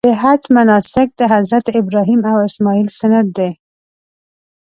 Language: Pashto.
د حج مناسک د حضرت ابراهیم او اسماعیل سنت دي.